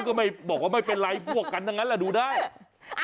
ก็ไม่บอกว่าไม่เป็นไรพวกกันทั้งนั้นแหละดูได้